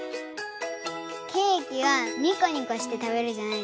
ケーキはニコニコして食べるじゃないですか。